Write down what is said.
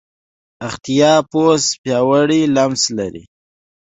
اختاپوس پیاوړی لمس لري.